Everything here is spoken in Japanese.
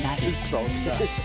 そんな！